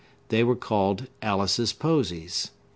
They were called Alice's Posies.